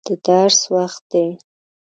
د درس وخت دی.